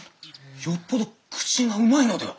よっぽど口がうまいのでは。